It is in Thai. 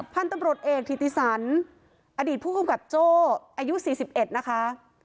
พันธุ์ตำรวจเอกธิติสันอดีตผู้กำกับโจ้อายุ๔๑นะคะ